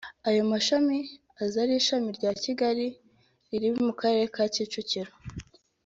Ayo mashami aza ari ishami rya Kigali riri mu Karere ka Kicukiro